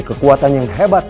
kekuatan yang hebat